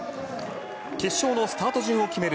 決勝のスタート順を決める